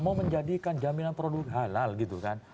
mau menjadikan jaminan produk halal gitu kan